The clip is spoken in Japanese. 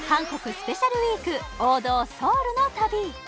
スペシャルウィーク王道ソウルの旅